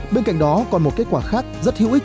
bên cạnh đó còn một kết quả khác rất hữu ích